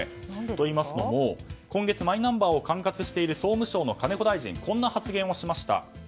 といいますのも、今月マイナンバーを管轄している総務省の金子大臣はこんな発言をしました。